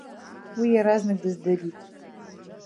Уи иаразнак дыздырит.